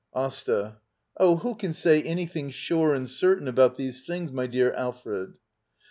AsTA. Oh, who can say anything sure and cer tain about these things, my dear Alfred?